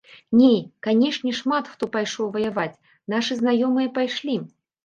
Не, канешне, шмат хто пайшоў ваяваць, нашы знаёмыя пайшлі.